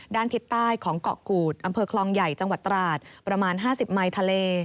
ด้านทิศใต้ของเกาะกูดอำเภอคลองใหญ่จังหวัดตราดประมาณ๕๐ไมค์ทะเล